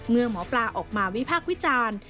เมื่อหมอปลาออกมาวิพากษ์วิจารณ์